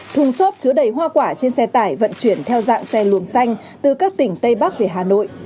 thùng xốp chứa đầy hoa quả trên xe tải vận chuyển theo dạng xe luồng xanh từ các tỉnh tây bắc về hà nội